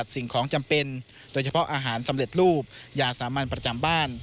สิ่งของจำเป็นโดยเฉพาะอาหารสำเร็จรูปยาสามัญประจำบ้าน